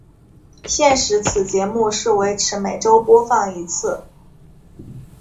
现时此节目是维持每周播放一次。